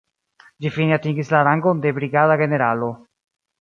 Ĝi fine atingis la rangon de brigada generalo.